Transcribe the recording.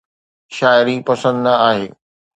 شاعري پسند نه آهي